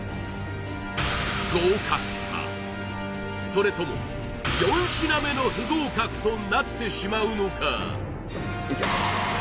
それとも４品目の不合格となってしまうのか？